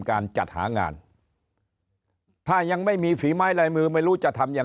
การจัดหางานถ้ายังไม่มีฝีไม้ลายมือไม่รู้จะทำอย่าง